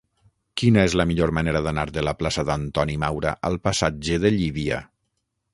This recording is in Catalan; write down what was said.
Quina és la millor manera d'anar de la plaça d'Antoni Maura al passatge de Llívia?